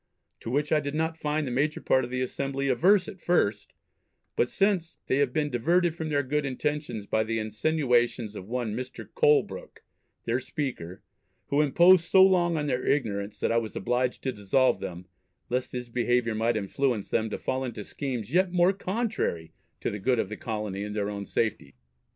to which I did not find the major part of the Assembly averse at first, but since, they have been diverted from their good intentions by the insinuations of one Mr. Colebrooke, their Speaker, who imposed so long on their ignorance, that I was obliged to dissolve them, lest his behaviour might influence them to fall into schemes yet more contrary to the good of the Colony and their own safety.